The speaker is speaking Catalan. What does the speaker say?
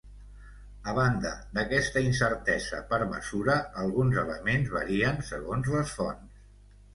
A banda d'aquesta incertesa per mesura, alguns elements varien segons les fonts.